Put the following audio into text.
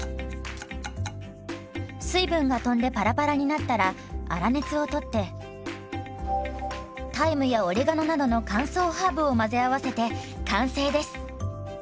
水分がとんでパラパラになったら粗熱を取ってタイムやオレガノなどの乾燥ハーブを混ぜ合わせて完成です。